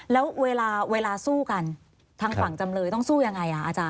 แล้วเวลาเวลาสู้กันทางฝั่งจำเลยต้องสู้ยังไงอ่ะอาจารย